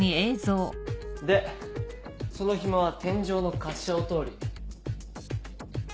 でそのヒモは天井の滑車を通り。